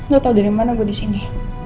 lo tau dari mana gue disini